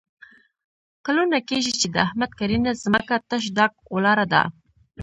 کلونه کېږي چې د احمد کرنیزه ځمکه تش ډاګ ولاړه ده.